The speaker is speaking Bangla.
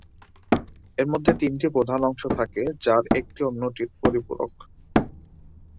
এর মধ্যে তিনটি প্রধান অংশ থাকে যার একটি অন্যটির পরিপূরক।